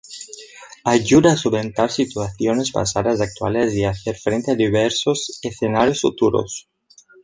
Ayuda a solventar situaciones pasadas, actuales y hacer frente a diversos escenarios futuros.